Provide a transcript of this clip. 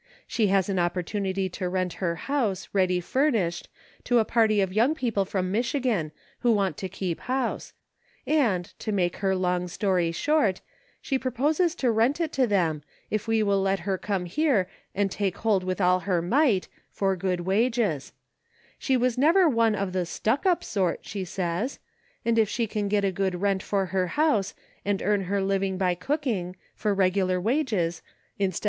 She has an opportunity to rent her house, ready furnished, to a party of young people from Michigan, who want to keep house ; and, to make her long story short, she proposes to rent it to them, if we will let her come here and ' take hold with all her might,' for good wages ; she was never one of the ' stuck up ' sort, she says, and if she can get a good rent for her house, and earn her living by cooking, for regular wages, instead 274 A " PROVIDENCE.